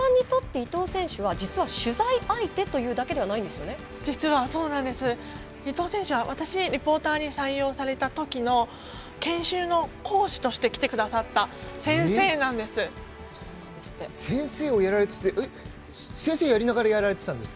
伊藤選手は私がリポーターに採用されたときの研修の講師として来てくださった先生なんです。